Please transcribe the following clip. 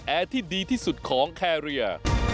แอร์ที่ดีที่สุดของแครียอร์